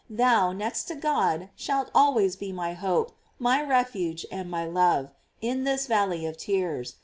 Thou, next to God, shalt al ways be my hope, my refuge, and my love, in this valley of tears.